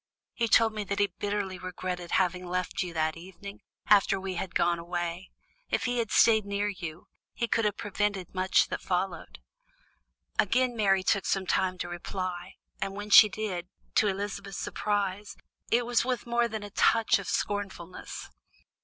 He told me that he bitterly regretted having left you that evening, after we had gone away. If he had stayed near you, he could have prevented much that followed." Again Mary took some time to reply, and when she did, to Elizabeth's surprise, it was with more than a touch of scornfulness.